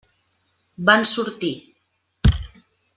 Van sortir.